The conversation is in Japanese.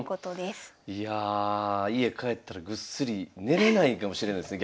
いや家帰ったらぐっすり寝れないかもしれないですね